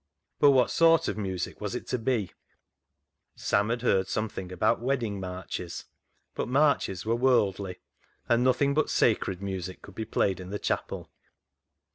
But what sort of music was it to be ? Sam had heard something about wedding marches ; but marches were worldly, and nothing but sacred music could be played in the chapel.